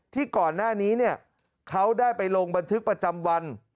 ที่ก่อนหน้านี้เนี่ยเขาได้ไปลงบันทึกประจำวัน